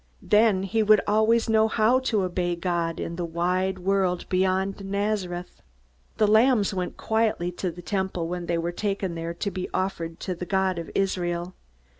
Then he would always know how to obey God in the wide world beyond Nazareth. The lambs went quietly to the Temple when they were taken there to be offered to the God of Israel.